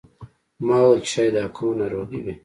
ما وویل چې شاید دا کومه ناروغي وي.